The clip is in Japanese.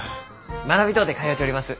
学びとうて通うちょります。